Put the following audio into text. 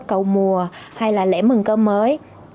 cầu mùa hay là lễ mừng cơm mới